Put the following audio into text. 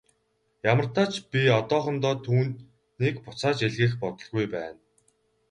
Ямартаа ч би одоохондоо түүнийг буцааж илгээх бодолгүй байна.